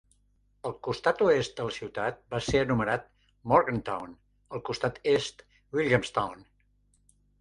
El costat oest de la ciutat va ser anomenat Morgantown; el costat est, Williamstown.